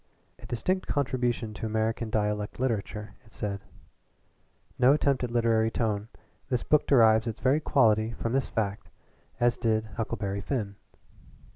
"A distinct contribution to American dialect literature," it said. "No attempt at literary tone; the book derives its very quality from this fact, as did 'Huckleberry Finn.'"